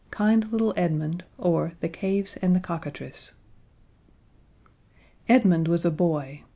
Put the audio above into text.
Kind Little Edmund, or The Caves and the Cockatrice Edmund was a boy.